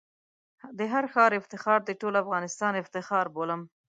د هر ښار افتخار د ټول افغانستان افتخار بولم.